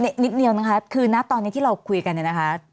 นิดนิดนึงนะครับคือณตอนนี้ที่เราคุยกันนะครับ